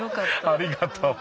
ありがとう。